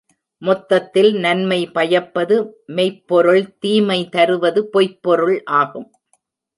மொத்தத்தில் நன்மை பயப்பது மெய்ப்பொருள் தீமை தருவது பொய்ப்பொருள் ஆகும்.